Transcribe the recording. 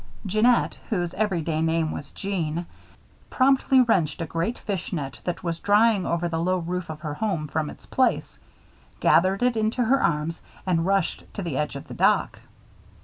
Jeannette, whose everyday name was Jeanne, promptly wrenched a great fish net that was drying over the low roof of her home from its place, gathered it into her arms, and rushed to the edge of the dock.